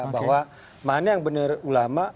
bahwa mana yang benar ulama